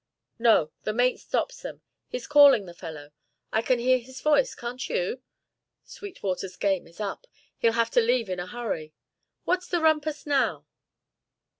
"No: the mate stops them; see, he's calling the fellow. I can hear his voice, can't you? Sweetwater's game is up. He'll have to leave in a hurry. What's the rumpus now?"